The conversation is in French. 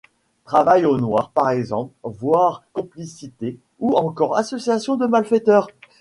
Travail au noir, par exemple, voire complicité, ou encore association de malfaiteurs.